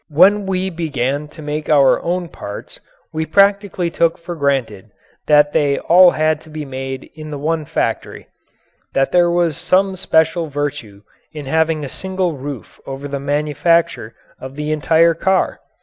When we began to make our own parts we practically took for granted that they all had to be made in the one factory that there was some special virtue in having a single roof over the manufacture of the entire car.